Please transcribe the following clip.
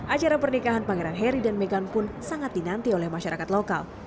acara pernikahan pangeran harry dan meghan pun sangat dinanti oleh masyarakat lokal